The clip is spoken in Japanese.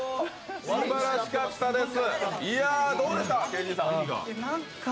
すばらしかったです。